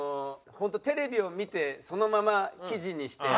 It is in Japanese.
本当テレビを見てそのまま記事にして。